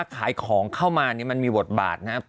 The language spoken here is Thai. ขายของเข้ามาเนี่ยมันมีบทบาทนะฮะ